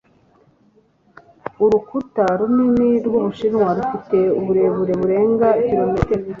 urukuta runini rw'ubushinwa rufite uburebure burenga kilometero